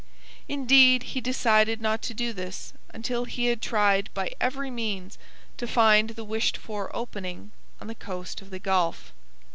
Indeed, he decided not to do this until he had tried by every means to find the wished for opening on the coast of the Gulf.